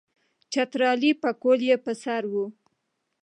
چترالی پکول یې پر سر وو.